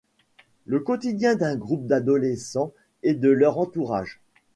Le quotidien d'un groupe d'adolescents et de leur entourage.